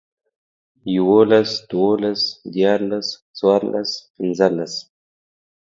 يوولس، دوولس، ديارلس، څوارلس، پينځلس